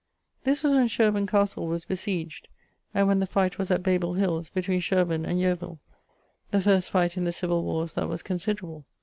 This was when Sherburne castle was besieged, and when the fight was at Babell hills, between Sherburn and Yeovill: the first fight in the civill warres that was considerable.